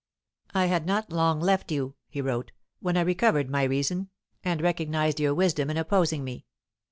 "I had not long left you," he wrote, "when I recovered my reason, and recognized your wisdom in opposing me.